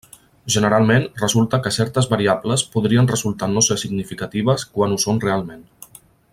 Generalment resulta que certes variables podrien resultar no ser significatives quan ho són realment.